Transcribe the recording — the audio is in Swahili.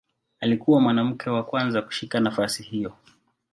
Alikuwa mwanamke wa kwanza kushika nafasi hiyo.